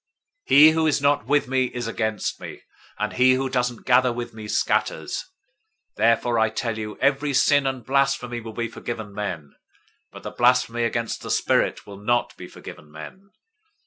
012:030 "He who is not with me is against me, and he who doesn't gather with me, scatters. 012:031 Therefore I tell you, every sin and blasphemy will be forgiven men, but the blasphemy against the Spirit will not be forgiven men.